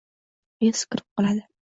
— Esi kirib qoladi.